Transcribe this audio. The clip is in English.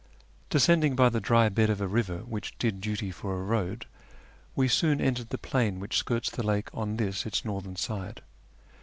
Descending by the dry bed of a river which did duty for a road, we soon entered the plain which skirts the lake on this its northern side.